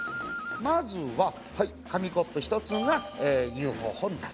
まずははい紙コップ１つがＵＦＯ本体。